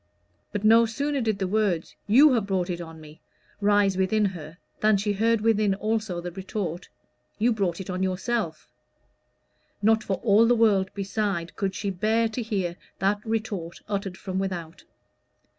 But no sooner did the words "You have brought it on me" rise within her than she heard within also the retort, "You brought it on yourself." Not for all the world beside could she bear to hear that retort uttered from without.